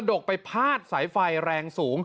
ดกไปพาดสายไฟแรงสูง